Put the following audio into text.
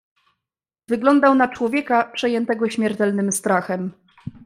"Wyglądał na człowieka, przejętego śmiertelnym strachem."